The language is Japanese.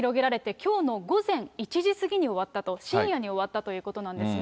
きょうの１時過ぎに終わったと、深夜に終わったということなんですね。